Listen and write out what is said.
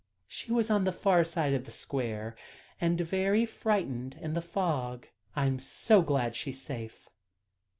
"She was on the far side of the square, and very frightened in the fog. I am so glad she is safe."